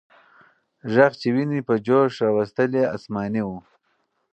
ږغ چې ويني په جوش راوستلې، آسماني و.